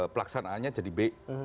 pelaksanaannya jadi b